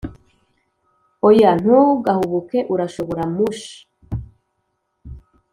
oya, ntugahubuke, urashobora mush,